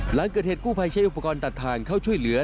หลังเกิดเหตุกู้ภัยใช้อุปกรณ์ตัดทางเข้าช่วยเหลือ